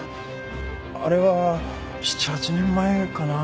あれは７８年前かな？